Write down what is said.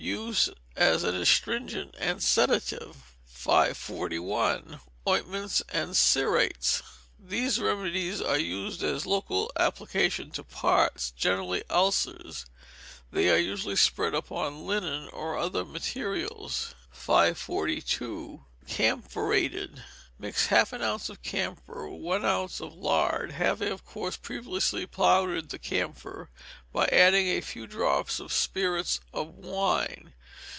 Use as an astringent and sedative. 541. Ointments and Cerates These remedies are used as local applications to parts, generally ulcers. They are usually spread upon linen or other materials. 542. Camphorated. Mix half an ounce of camphor with one ounce of lard, having, of course, previously powdered the camphor, by adding a few drops of spirits of wine.